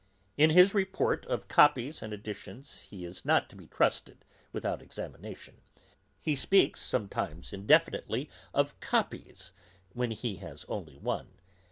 In his report of copies and editions he is not to be trusted, without examination. He speaks sometimes indefinitely of copies, when he has only one.